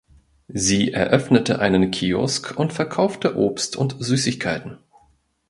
Sie eröffnete einen Kiosk und verkaufte Obst und Süßigkeiten.